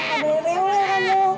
aduh rewel kamu